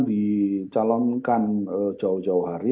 dicalonkan jauh jauh hari